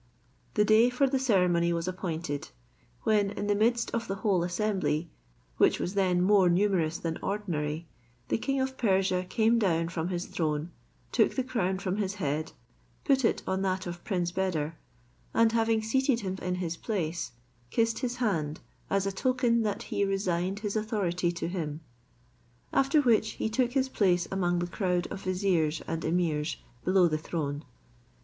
The day for the ceremony was appointed, when in the midst of the whole assembly, which was then more numerous than ordinary, the king of Persia came down from his throne, took the crown from his head, put it on that of Prince Beder, and having seated him in his place, kissed his hand as a token that he resigned his authority to him. After which he took his place among the crowd of viziers and emirs below the throne.